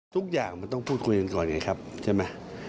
ทุกอย่างมันต้องพูดคุยกันก่อนไงครับใช่ไหม